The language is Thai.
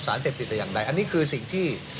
เสพติดแต่อย่างใดอันนี้คือสิ่งที่